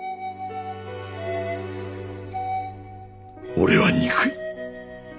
俺は憎い！